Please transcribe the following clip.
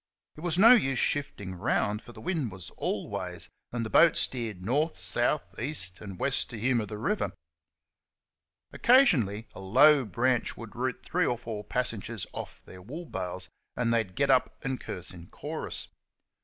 It was no use shifting round, for the wind was all ways, and the boat steered north, south, east, and west to humour the river. Occasionally a low branch would root three or four passengers off their wool bales, and they'd get up and curse in chorus.